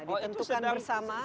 ditentukan bersama atau